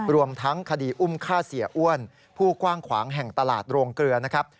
รวมทั้งคดีอุ้มฆ่าเสียอ้วนผู้กว้างขวางแห่งตลาดโรงเกลือนะครับ